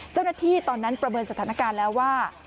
เจ้าหน้าที่ตอนนั้นประเมินสถานการณ์แล้วว่า